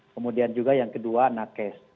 kemudian juga yang kedua nakes